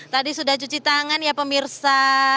tadi sudah cuci tangan ya pemirsa